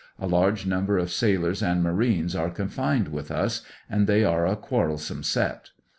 A large number of sailors and marines are confined with us, and they are a quarrelsome set.